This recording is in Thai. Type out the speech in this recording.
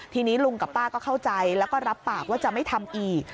ทีนี้ลุงกับป้าก็เข้าใจแล้วก็รับปากว่าจะไม่ทำอีก